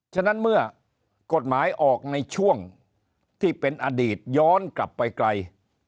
ฉะนั้นเมื่อกฎหมายออกในช่วงที่เป็นอดีตย้อนกลับไปไกล